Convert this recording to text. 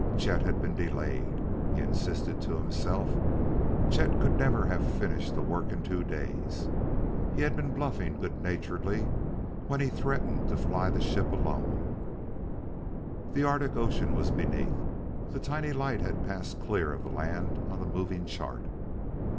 Chet had been delayed, he insisted to himself; Chet could never have finished the work in two days; he had been bluffing good naturedly when he threatened to fly the ship alone.... The Arctic Ocean was beneath. The tiny light had passed clear of the land on the moving chart.